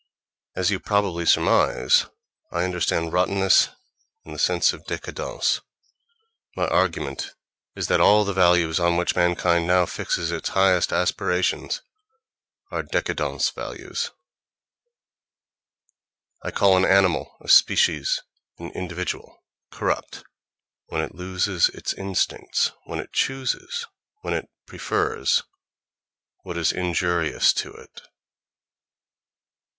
As you probably surmise, I understand rottenness in the sense of décadence: my argument is that all the values on which mankind now fixes its highest aspirations are décadence values. I call an animal, a species, an individual corrupt, when it loses its instincts, when it chooses, when it prefers, what is injurious to it.